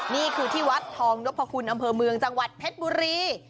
นี่คือที่วัดทองนพคุณอำเภอเมืองจังหวัดเพชรบุรี